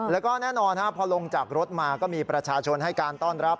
แล้วก็แน่นอนพอลงจากรถมาก็มีประชาชนให้การต้อนรับ